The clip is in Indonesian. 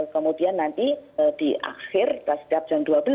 kemudian nanti di akhir setiap jam dua belas